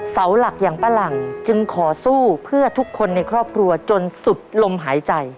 เสาหลักอย่างป้าหลังจึงขอสู้เพื่อทุกคนในครอบครัวจนสุดลมหายใจ